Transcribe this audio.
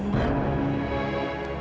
m bentuk kanticipansi